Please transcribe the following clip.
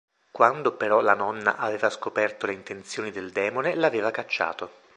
Quando però la nonna aveva scoperto le intenzioni del demone l'aveva cacciato.